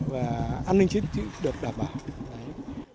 và an ninh chính trị được đảm bảo